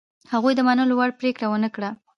هغوی د منلو وړ پرېکړه ونه کړه.